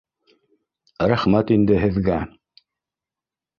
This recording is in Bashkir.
Рәхмәт инде һеҙгә